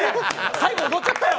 最後踊っちゃったよ。